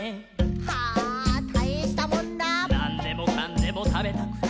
「なんでもかんでもたべたくて」